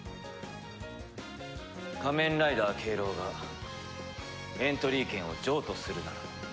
仮面ライダーケイロウがエントリー権を譲渡するなら。